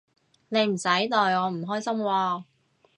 你唔使代我唔開心喎